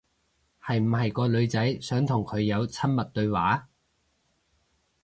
係唔係個女仔想同佢有親密對話？